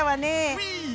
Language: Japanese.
ウィー！